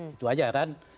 itu saja kan